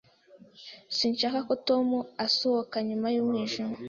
Sinshaka ko Tom asohoka nyuma y'umwijima.